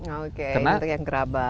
oke yang gerabah